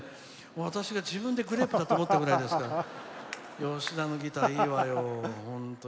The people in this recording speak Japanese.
私が自分でグレープだと思ったぐらいですから吉田のギター、いいわよ、本当に。